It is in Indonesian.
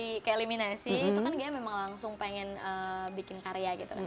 di keeliminasi itu kan ghea memang langsung pengen bikin karya gitu kan